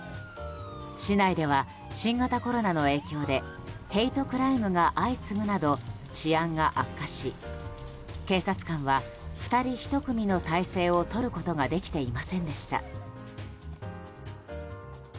市内では、新型コロナの影響でヘイトクライムが相次ぐなど治安が悪化し警察官は２人１組の態勢をとることができていませんでした。